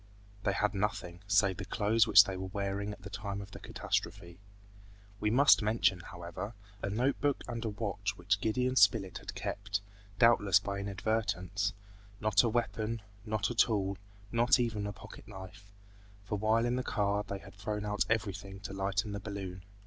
They had nothing, save the clothes which they were wearing at the time of the catastrophe. We must mention, however, a note book and a watch which Gideon Spilett had kept, doubtless by inadvertence, not a weapon, not a tool, not even a pocket knife; for while in the car they had thrown out everything to lighten the balloon.